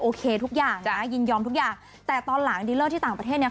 ทุกอย่างนะยินยอมทุกอย่างแต่ตอนหลังดีเลอร์ที่ต่างประเทศเนี่ย